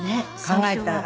考えたら。